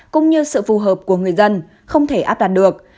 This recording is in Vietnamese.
cũng như sự phù hợp của người dân không thể áp đặt được